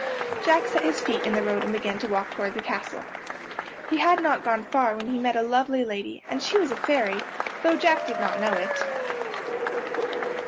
Jack set his feet in the road and began to walk toward the castle. He had not gone far when he met a lovely lady, and she was a fairy, though Jack did not know it.